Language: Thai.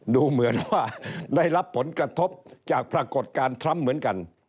ดูเหมือนว่าได้รับผลกระทบจากปรากฏการณ์ทรัมป์เหมือนกัน